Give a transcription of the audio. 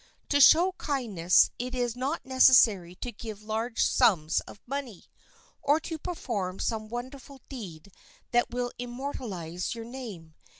To show kindness it is not necessary to give large sums of money, or to perform some wonderful deed that will immortalize your name.